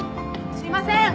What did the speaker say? すいません！